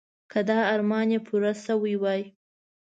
که دا ارمان یې پوره شوی وای.